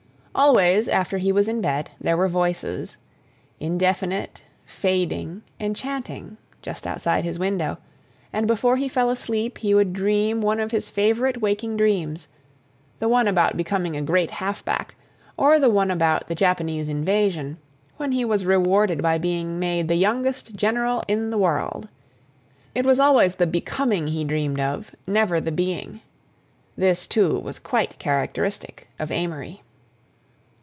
Always, after he was in bed, there were voices—indefinite, fading, enchanting—just outside his window, and before he fell asleep he would dream one of his favorite waking dreams, the one about becoming a great half back, or the one about the Japanese invasion, when he was rewarded by being made the youngest general in the world. It was always the becoming he dreamed of, never the being. This, too, was quite characteristic of Amory.